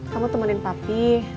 kamu temenin papi